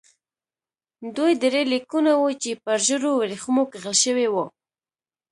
دوی درې لیکونه وو چې پر ژړو ورېښمو کښل شوي وو.